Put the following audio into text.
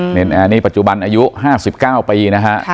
เนรนแอร์นี่ปัจจุบันอายุ๕๙ปีนะฮะ